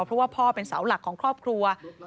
เพราะว่าพ่อเป็นเสาหลักของครอบครัว